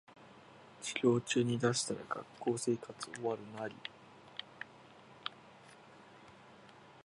授業中に出したら学生生活終わるナリ